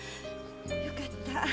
よかった。